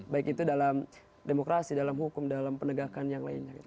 baik itu dalam demokrasi dalam hukum dalam penegakan yang lainnya